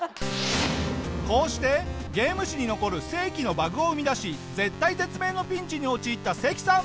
こうしてゲーム史に残る世紀のバグを生み出し絶体絶命のピンチに陥ったセキさん！